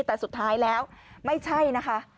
แต่สุดท้ายแล้วไม่ใช่นะคะ